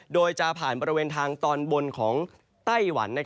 โดยจะผ่านบริเวณทางตอนบนของไต้หวัน